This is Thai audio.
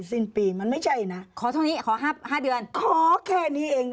สิ้นปีมันไม่ใช่นะขอเท่านี้ขอ๕เดือนขอแค่นี้เอง